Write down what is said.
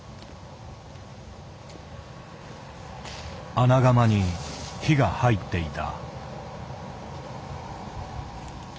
穴窯に火が入っていた。